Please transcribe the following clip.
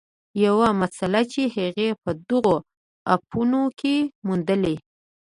یوه مسله چې هغې په دغو اپونو کې موندلې